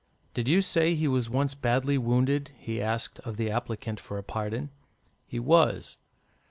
"Did you say he was once badly wounded?" he asked of the applicant for a pardon. "He was."